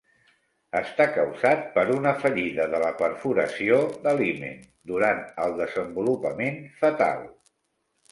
Està causat per una fallida de la perforació de l'himen durant el desenvolupament fetal.